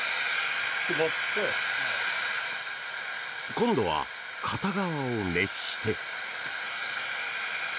今度は片側を熱して。